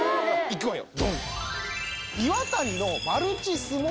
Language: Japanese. いくわよ